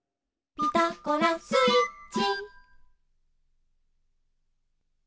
「ピタゴラスイッチ」